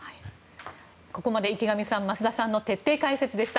ここまで池上さん増田さんの徹底解説でした。